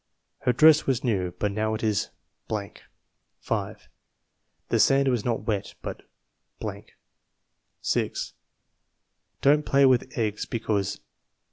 Her dress was new, but now it is 5. The sand was not wet, but . 6. Don't play with eggs because